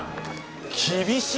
厳しい。